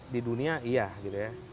di dunia iya gitu ya